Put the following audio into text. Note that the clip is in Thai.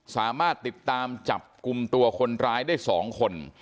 สามารถติดตามจับกลุ่มตัวคนร้ายได้๒คน